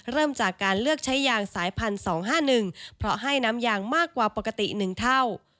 เริ่มจากการเลือกใช้ยางสายพันธุ์๒๕๑เพราะให้น้ำยางมากกว่าปกติ๑เท่า